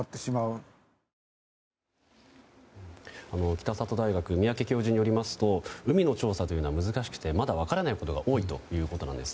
北里大学三宅教授によりますと海の調査というのは難しくてまだ分からないことが多いということです。